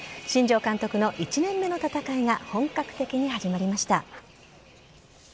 新庄監督の１年目の戦いが本格的に始まりました。